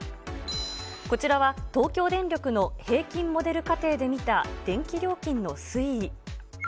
こちらは、東京電力の平均モデル家庭で見た電気料金の推移。